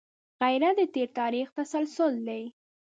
غیرت د تېر تاریخ تسلسل دی